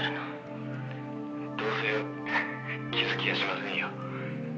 「どうせ気づきやしませんよ」